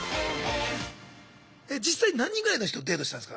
実際何人ぐらいの人とデートしたんすか？